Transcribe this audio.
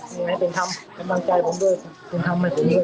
ขอแค่ชาวบ้านที่น้องบ้านสองหรือบ้านเจ็ดชีวิต